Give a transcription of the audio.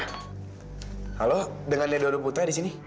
halo dengar nedo duputa di sini